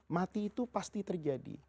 mati itu pasti terjadi